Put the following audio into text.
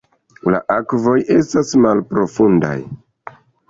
La akvoj estas malprofundaj.